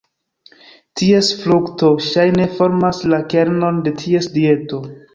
Ties frukto ŝajne formas la kernon de ties dieto.